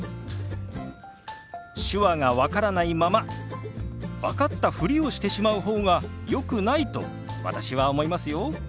手話が分からないまま分かったふりをしてしまう方がよくないと私は思いますよ。